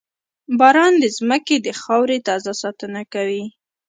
• باران د زمکې د خاورې تازه ساتنه کوي.